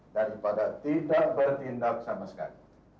daripada tidak bertindak sama sekali